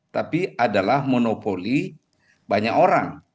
tapi adalah monopoli banyak orang